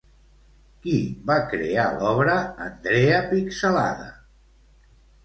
Qui va crear l'obra Andrea Pixelada?